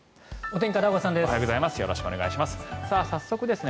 おはようございます。